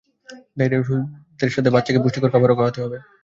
ডায়রিয়ার ঔষধের সাথে বাচ্চাকে পুষ্টিকর খাবারও খাওয়াতে হবে।